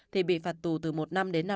thì bị phạt tù từ một năm đến năm